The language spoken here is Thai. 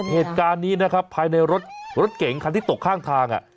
เหตุการณ์นี้นะครับภายในรถเก่งที่ตกทางทางน่ะ